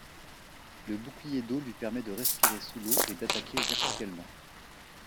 Le bouclier d'eau lui permet de respirer sous l'eau et d'attaquer verticalement.